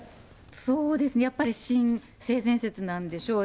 そうですね、やっぱり性善説なんでしょう。